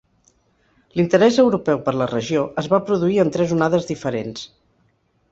L'interès europeu per la regió es va produir en tres onades diferents.